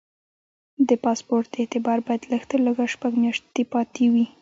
د پاسپورټ اعتبار باید لږ تر لږه شپږ میاشتې پاتې وي.